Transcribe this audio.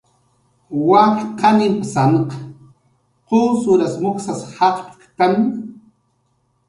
Wak qanimpsan qusuras mujsas jaqptktan